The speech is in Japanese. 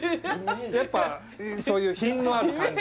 やっぱそういう品のある感じ？